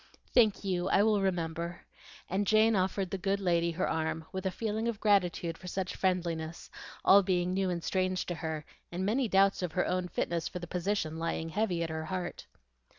"Thank you, I will remember;" and Jane offered the good lady her arm, with a feeling of gratitude for such friendliness, all being new and strange to her, and many doubts of her own fitness for the position lying heavy at her heart.